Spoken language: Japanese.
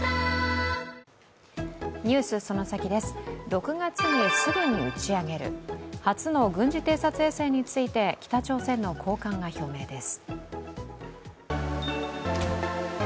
６月にすぐに打ち上げる、初の軍事偵察衛星について北朝鮮の高官が表明です。